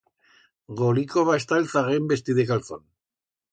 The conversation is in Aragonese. Golico va estar el zaguer en vestir de calzón.